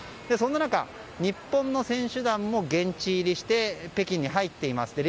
そんな中、日本の選手団も現地入りして北京に入っています。